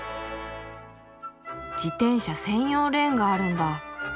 自転車専用レーンがあるんだ。